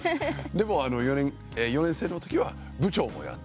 でも４年生の時は部長もやって。